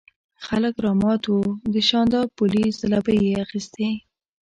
خلک رامات وو، د شانداپولي ځلوبۍ یې اخيستې.